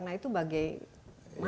nah itu bagaimana prioritas